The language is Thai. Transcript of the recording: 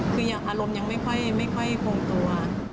คืออารมณ์ยังไม่ค่อยคงตัว